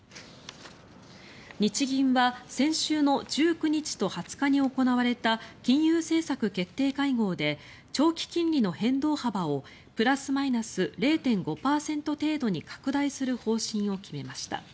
日銀は先週の１９日と２０日に行われた金融政策決定会合で長期金利の変動幅をプラスマイナス０．５％程度に拡大する方針を決めました。